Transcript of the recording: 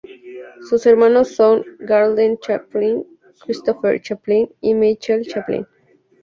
Sus hermanos son Geraldine Chaplin, Christopher Chaplin y Michael Chaplin.